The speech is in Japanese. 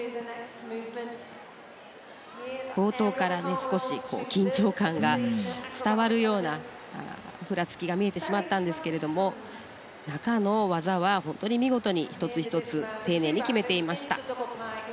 冒頭から少し緊張感が伝わるようなふらつきが見えてしまったんですけれども中の技は本当に見事に１つ１つ丁寧に決めていました。